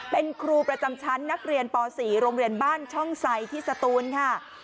เป็นครูประจำชั้นนักเรียนป๔โรงเรียนบ้านช่องไซที่สตูนค่ะ